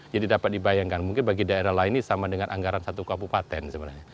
jadi dapat dibayangkan mungkin bagi daerah lain ini sama dengan anggaran satu kabupaten sebenarnya